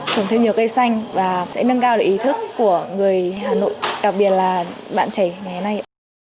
trồng thêm nhiều cây xanh và sẽ nâng cao được ý thức của người hà nội đặc biệt là bạn trẻ ngày nay